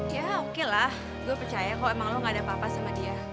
ya oke lah gue percaya kok emang lo gak ada apa apa sama dia